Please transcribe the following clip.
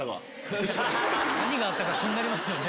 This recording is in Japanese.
何があったか気になりますよね。